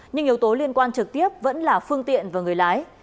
nhưng yếu tố liên quan trực tiếp vẫn là phương tiện và người lái